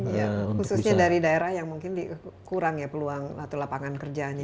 khususnya dari daerah yang mungkin kurang ya peluang atau lapangan kerjanya